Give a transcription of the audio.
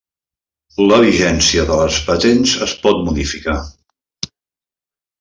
La vigència de les patents es pot modificar.